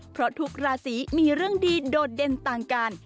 เพราะทุกราศีมีเรื่องดีโดดเด่นต่างกัน